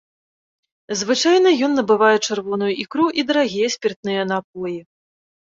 Звычайна ён набывае чырвоную ікру і дарагія спіртныя напоі.